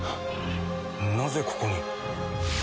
なぜここに？